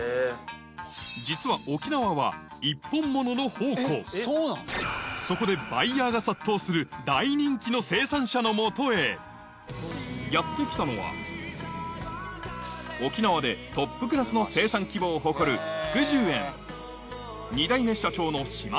実はそこでバイヤーが殺到する大人気の生産者の元へやって来たのは沖縄でトップクラスの生産規模を誇る福樹園